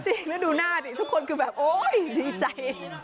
จริงแล้วดูหน้าทุกคนคือแบบโอ้ยดีใจ